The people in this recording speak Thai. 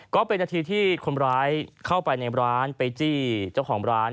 ก็เป็นนาทีที่คนร้ายเข้าไปในร้านไปจี้เจ้าของร้าน